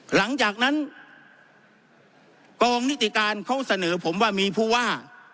หลังจากนั้นกองนิติการเขาเสนอผมว่ามีผู้ว่า